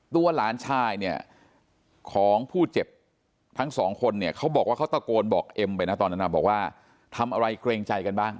หลานชายเนี่ยของผู้เจ็บทั้งสองคนเนี่ยเขาบอกว่าเขาตะโกนบอกเอ็มไปนะตอนนั้นบอกว่าทำอะไรเกรงใจกันบ้าง